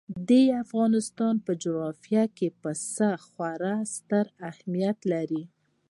د افغانستان په جغرافیه کې پسه خورا ستر اهمیت لري.